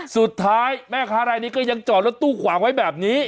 สุดท้ายแม่ค้ารายนี้ก็ยังจอดรถตู้ขวางไว้แบบนี้